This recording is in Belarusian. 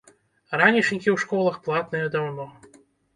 Ранішнікі ў школах платныя даўно.